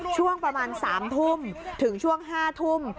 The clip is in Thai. ช่วงประมาณ๓ทุ่มถึงช่วง๕ทุ่ม